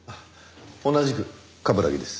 同じく冠城です。